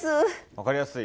分かりやすい。